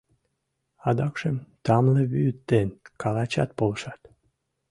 Адакшым тамле вӱд ден калачат полшат.